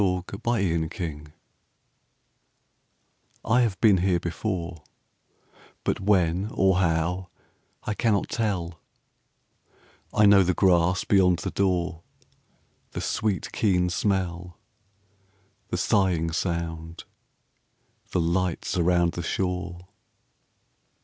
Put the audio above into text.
Y Z Sudden Light I HAVE been here before, But when or how I cannot tell: I know the grass beyond the door, The sweet, keen smell, The sighing sound, the lights around the shore.